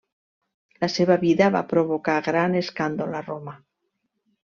La seva vida va provocar gran escàndol a Roma.